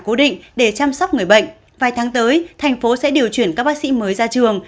cố định để chăm sóc người bệnh vài tháng tới thành phố sẽ điều chuyển các bác sĩ mới ra trường